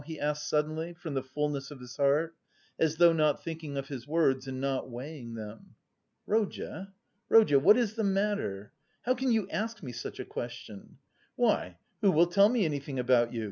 he asked suddenly from the fullness of his heart, as though not thinking of his words and not weighing them. "Rodya, Rodya, what is the matter? How can you ask me such a question? Why, who will tell me anything about you?